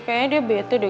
kayanya dia bete deh